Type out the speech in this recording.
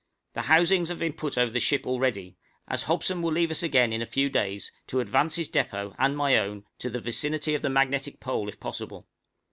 The housings have been put over the ship already, as Hobson will leave us again in a few days to advance his depôt and my own to the vicinity of the magnetic pole if possible.